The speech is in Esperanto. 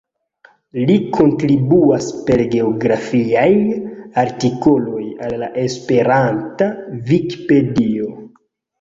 Li kontribuas per geografiaj artikoloj al la Esperanta Vikipedio.